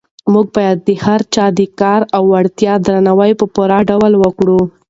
موږ باید د هر چا د کار او وړتیا درناوی په پوره ډول وکړو.